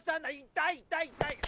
痛い痛い痛い！